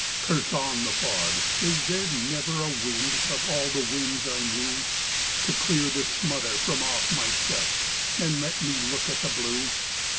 Curse on the fog! Is there never a wind of all the winds I knew To clear the smother from off my chest, and let me look at the blue?"